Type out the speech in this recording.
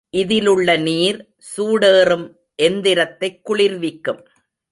இதிலுள்ள நீர், சூடேறும் எந்திரத்தைக் குளிர்விக்கும்.